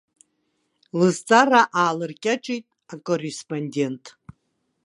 Лызҵаара аалыркьаҿит акорреспондент.